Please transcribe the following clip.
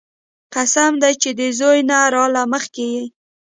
قسم دې چې د زوى نه راله مخكې يې.